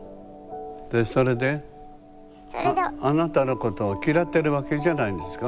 でそれであなたのことを嫌ってるわけじゃないんですか？